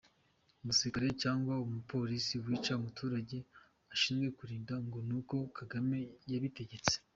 Umusirikare cyangwa umu Police wica umuturage ashinzwe kurinda ngo nuko Kagame yabitegetse,